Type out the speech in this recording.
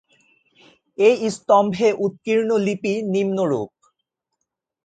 এই স্তম্ভে উৎকীর্ণ লিপি নিম্নরূপ-